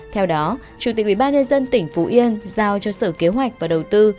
theo đó chủ tịch ubnd tỉnh phú yên giao cho sở kế hoạch và đầu tư